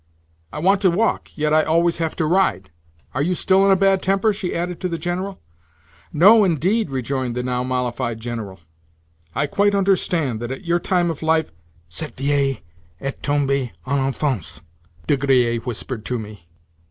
I want to walk, yet I always have to ride. Are you still in a bad temper?" she added to the General. "No, indeed," rejoined the now mollified General. "I quite understand that at your time of life—" "Cette vieille est tombée en enfance," De Griers whispered to me.